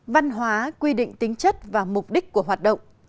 văn hóa quy định tính chất và mục đích của hoạt động